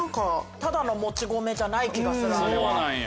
ただのもち米じゃない気がするあれは。